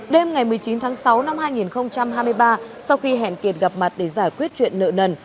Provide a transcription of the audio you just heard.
đêm ngày một mươi chín tháng sáu năm hai nghìn hai mươi ba sau khi hẹn kiệt gặp mặt để giải quyết chuyện nợ nần